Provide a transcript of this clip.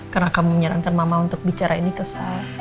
karena kamu menyarankan mama untuk bicara ini kesal